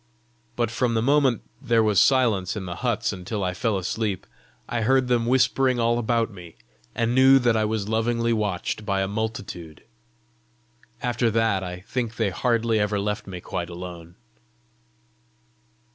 But from the moment there was silence in the huts until I fell asleep, I heard them whispering all about me, and knew that I was lovingly watched by a multitude. After that, I think they hardly ever left me quite alone.